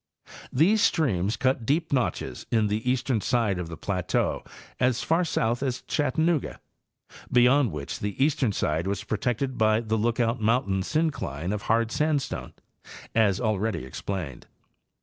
These streams cut deep notches in the eastern side of the plateau as far south as Chattanooga, beyond which the eastern side was pro tected by the Lookout mountain syncline of hard sandstone, as already explained.